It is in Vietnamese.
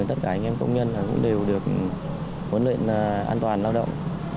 tất cả anh em công nhân cũng đều được huấn luyện an toàn lao động